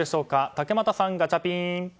竹俣さん、ガチャピン。